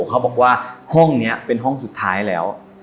เขาบอกว่าห้องนี้เป็นห้องสุดท้ายแล้ว